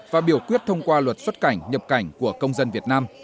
và biểu quyết thông qua luật xuất cảnh nhập cảnh của công dân việt nam